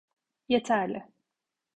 Yeterli.